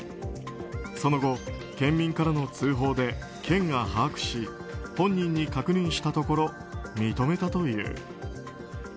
その後、県民からの通報で県が把握し本人に確認したところ認めたという。